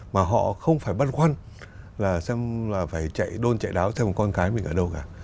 mà họ không phải băn khoăn là xem là phải chạy đôn chạy đáo theo một con cái mình ở đâu cả